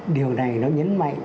điều này nó nhấn mạnh